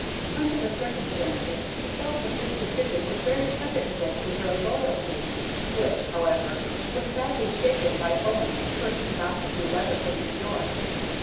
Under the circumstances she felt that this decision was very creditable to her loyalty, which, however, was sadly shaken by Owen's first gossipy letter from New York.